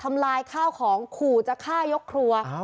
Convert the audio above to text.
ลายข้าวของขู่จะฆ่ายกครัว